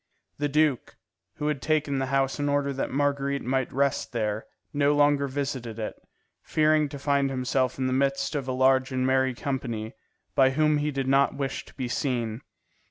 The duke, who had taken the house in order that Marguerite might rest there, no longer visited it, fearing to find himself in the midst of a large and merry company, by whom he did not wish to be seen.